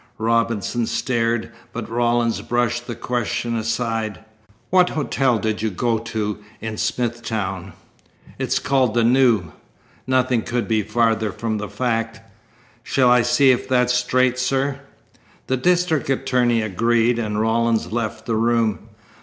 Robinson stared, but Rawlins brushed the question aside. "What hotel did you go to in Smithtown?" "It's called the 'New.' Nothing could be farther from the fact." "Shall I see if that's straight, sir?" The district attorney agreed, and Rawlins left the room.